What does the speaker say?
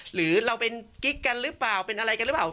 หรือเราเป็นกิ๊กกันหรือเปล่าเป็นอะไรกันหรือเปล่า